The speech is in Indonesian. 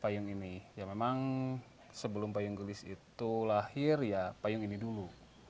payung ini ya memang sebelum payung gelis itu lahir ya payung ini dulu